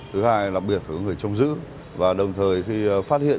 thứ hai là biệt phải có người chống giữ và đồng thời khi phát hiện